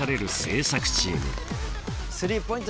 スリーポイント